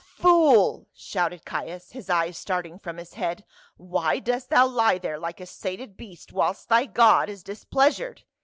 "Fool!" shouted Caius, his eyes starting from his head, "why dost thou lie there like a sated beast whilst thy god is displeasured?"